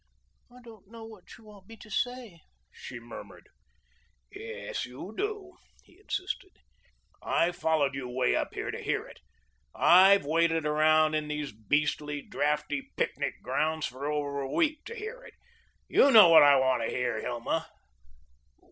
"I don't know what you want me to say," she murmured. "Yes, you do," he insisted. "I've followed you 'way up here to hear it. I've waited around in these beastly, draughty picnic grounds for over a week to hear it. You know what I want to hear, Hilma."